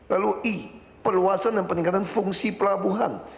lalu i perluasan dan peningkatan fungsi pelabuhan